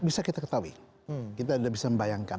bisa kita ketahui kita bisa membayangkan